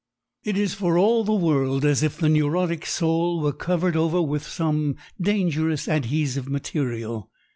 It is for all the world as if the neurotic's soul were covered over with some dangerous adhesive material.